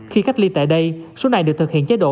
khi cách ly tại đây số này được thực hiện chế độ